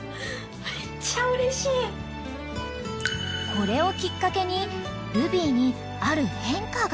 ［これをきっかけにルビーにある変化が］